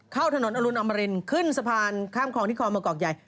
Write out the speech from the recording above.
เข้าถนนอรุณอมรินขึ้นสะพานข้ามคลองที่คลองมะกอกใหญ่